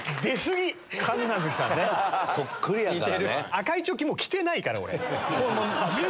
赤いチョッキもう着てないから俺。